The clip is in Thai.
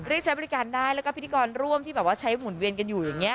ใช้บริการได้แล้วก็พิธีกรร่วมที่แบบว่าใช้หมุนเวียนกันอยู่อย่างนี้